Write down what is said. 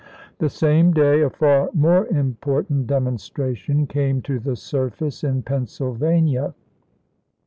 The same day a far more important demonstra tion came to the surface in Pennsylvania.